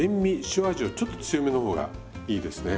塩味をちょっと強めの方がいいですね。